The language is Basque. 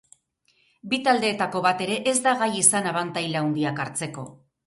Bi taldeetako bat ere ez da gai izan abantaila handiak hartzeko.